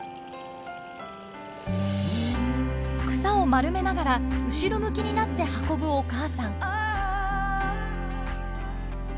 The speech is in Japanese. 草を丸めながら後ろ向きになって運ぶお母さん。